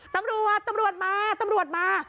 ตำรวจตำรวจมาตำรวจมา